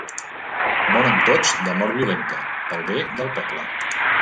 Moren tots de mort violenta, pel bé del poble.